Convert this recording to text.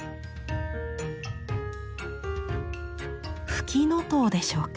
フキノトウでしょうか。